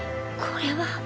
これは。